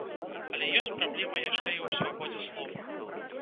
Але ёсць праблема яшчэ і ў свабодзе слова.